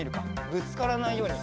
ぶつからないように。